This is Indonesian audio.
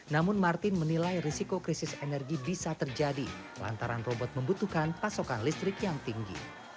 namun martin menilai risiko krisis energi bisa terjadi lantaran robot membutuhkan pasokan listrik yang tinggi